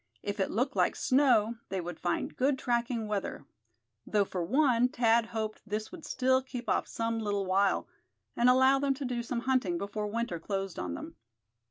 If it looked like snow they would find good tracking weather; though for one Thad hoped this would still keep off some little while, and allow them to do some hunting before winter closed on them.